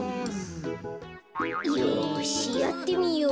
よしやってみよう。